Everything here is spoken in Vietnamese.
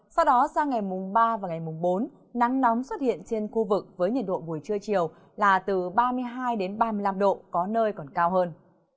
sau đó sang ngày mùng ba và ngày mùng bốn nắng nóng xuất hiện trên khu vực với nhiệt độ buổi trưa chiều là từ ba mươi hai ba mươi năm độ có nơi còn cao hơn